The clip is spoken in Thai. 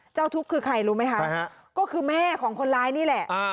เจ้าทุกข์คือใครรู้ไหมคะก็คือแม่ของคนร้ายนี่แหละ